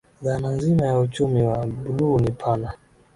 Dhana nzima ya Uchumi wa Buluu ni pana